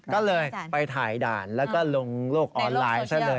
ก็เลยไปถ่ายด่านแล้วก็ลงโลกออนไลน์ซะเลย